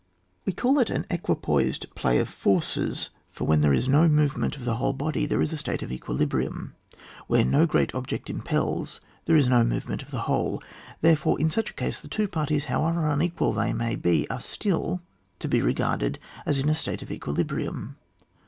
We call it an equipoised play of forces, for when there is no movement of the CHAP. XXX.] DEFENCE OF A THEATRE OF WAR. 205 wliole body there is a state of equilibrium ; vliere no great object impels, there is no movement of the whole; therefore, in such a case, the two parties, however unequal they may be, are still to be re p:arde(i as in a state of equilibrium.